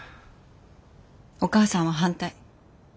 お母さんは反対。